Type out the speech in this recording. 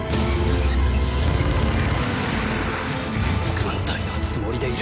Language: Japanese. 軍隊のつもりでいる。